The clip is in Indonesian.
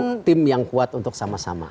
kita perlu tim yang kuat untuk sama sama